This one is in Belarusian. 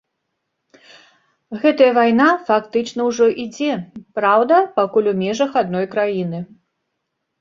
Гэтая вайна фактычна ўжо ідзе, праўда, пакуль у межах адной краіны.